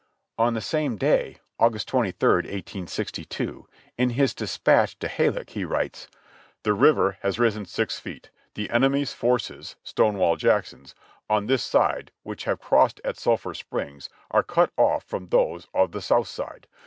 On the same day (August 23, 1862) in his dispatch to Halleck he writes: "The river has risen six feet, the enemy's forces (Stonewall Jackson's) on this side which have crossed at Sulphur Springs are cut off from those of the south side.